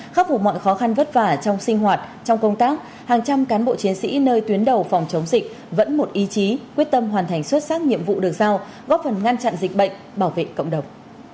khắc phục mọi khó khăn vất vả trong sinh hoạt trong công tác hàng trăm cán bộ chiến sĩ nơi tuyến đầu phòng chống dịch vẫn một ý chí quyết tâm hoàn thành xuất sắc nhiệm vụ được giao góp phần ngăn chặn dịch bệnh bảo vệ cộng đồng